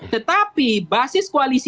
tetapi basis koalisi